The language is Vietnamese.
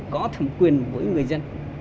có thẩm quyền với người dân